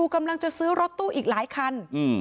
กำลังจะซื้อรถตู้อีกหลายคัน